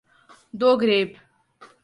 دوگریب